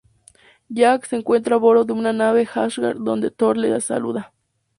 Jack se encuentra a bordo de una nave Asgard donde Thor le saluda.